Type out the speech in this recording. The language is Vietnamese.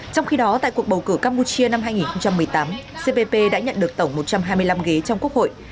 trong khi đó tại cuộc bầu cử campuchia năm hai nghìn một mươi tám cpp đã nhận được tổng một trăm hai mươi năm ghế trong quốc hội